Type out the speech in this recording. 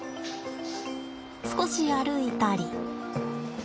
少し歩いたり。